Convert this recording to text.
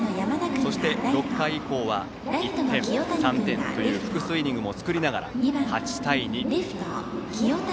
そして６回以降は１点、３点という複数イニングも作りながら８対２。